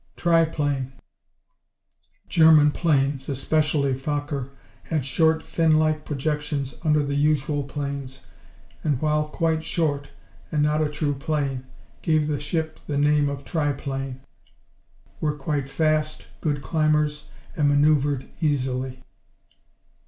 Tri plane German planes, especially Fokker, had short fin like projections under the usual planes, and while quite short, and not a true plane, gave the ship the name of tri plane. Were quite fast, good climbers, and manoeuvred easily.